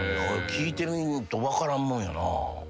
聞いてみると分からんもんやな。